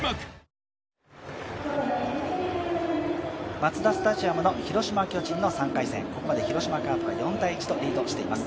マツダスタジアムの広島×巨人の３回戦、ここまで広島カープが４−１とリードしています。